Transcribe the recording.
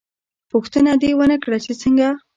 _ پوښتنه دې ونه کړه چې څنګه؟